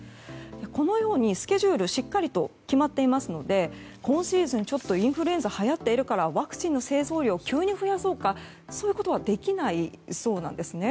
このようにスケジュールしっかりと決まっていますので今シーズン、インフルエンザが流行っているからワクチンの製造量を急に増やそうかとかそういうことはできないそうなんですね。